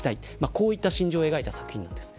こういった心情を描いた作品です。